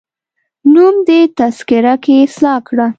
نوم دي تذکره کي اصلاح کړه